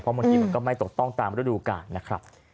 บางทีมันก็ไม่ตกต้องตามฤดูกาลนะครับ